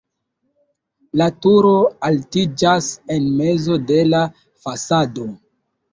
La turo altiĝas en mezo de la fasado.